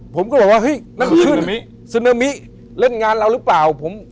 ผมก็บอกว่าซึนามิเล่นงานเราหรือเปล่า